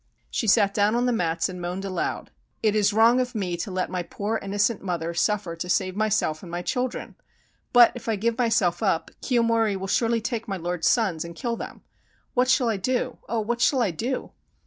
She sat down on the mats and moaned aloud: "It is wrong of me to let my poor innocent mother suffer to save myself and my children, but if I give myself up, Kiyomori will surely take my lord's sons and kill them. — What shall I do? Oh, what shall I do?